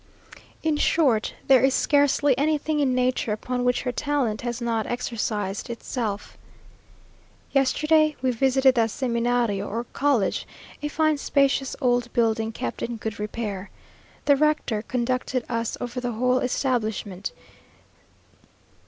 In short, there is scarcely anything in nature upon which her talent has not exercised itself. Yesterday we visited the Seminario, or college, a fine spacious old building, kept in good repair. The rector conducted us over the whole establishment.